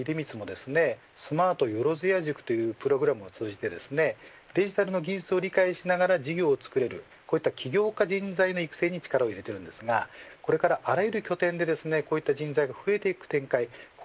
先ほどの出光もスマートよろずやというプログラムを通じてデジタルの技術を理解しながら事業をつくれるこういった起業家人材の育成を力を入れてますがこれからあらゆる起点で人材が増えていく展開